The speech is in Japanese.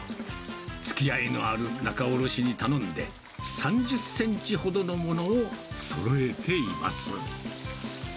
つきあいのある仲卸に頼んで、３０センチほどのものをそろえています。